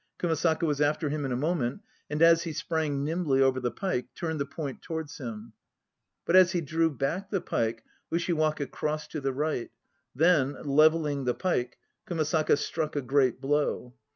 Kumasaka was after him in a moment, and as he sprang nimbly over the pike, 1 Turned the point towards him. But as he drew back the pike, Ushiwaka crossed to the right. Then levelling the pike, Kumasaka struck a great blow.